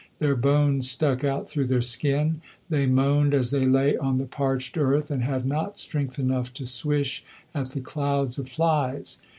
Their bones stuck out through their skin; they moaned as they lay on the parched earth, and had not strength enough to swish at the clouds of flies.